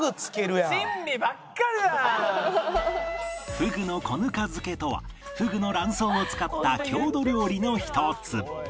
河豚の子糠漬けとはフグの卵巣を使った郷土料理の一つ